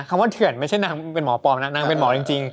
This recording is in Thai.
ว่าเถื่อนไม่ใช่นางเป็นหมอปลอมนะนางเป็นหมอจริง